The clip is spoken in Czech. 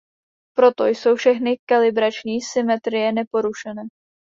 Proto jsou všechny kalibrační symetrie neporušené.